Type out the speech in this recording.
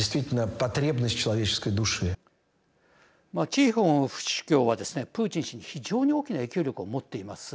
チーホン府主教はですねプーチン氏に非常に大きな影響力を持っています。